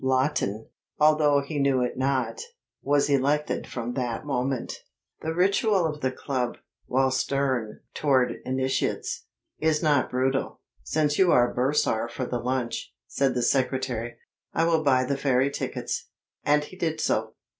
Lawton, although he knew it not, was elected from that moment. The ritual of the club, while stern toward initiates, is not brutal. Since you are bursar for the lunch, said the secretary, I will buy the ferry tickets, and he did so.